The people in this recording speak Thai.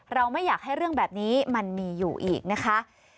เราไม่อยากให้เรื่องแบบนี้มันมีอยู่อีกนะคะ